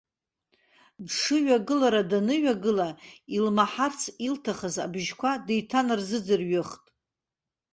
Дшыҩагылара даныҩагыла, илмаҳарц илҭахыз абжьқәа деиҭанарзыӡрыҩхт.